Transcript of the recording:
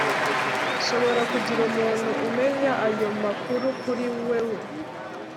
nshobora kugira umuntu umenya ayo makuru kuri wewe